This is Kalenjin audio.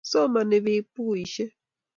somani pik bukuishek